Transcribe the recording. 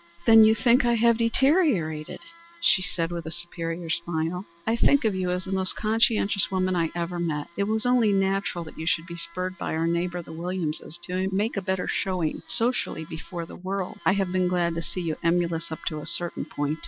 "Then you think I have deteriorated," she said, with a superior smile. "I think of you as the most conscientious woman I ever met. It was only natural that you should be spurred by our neighbors, the Williamses, to make a better showing socially before the world. I have been glad to see you emulous up to a certain point.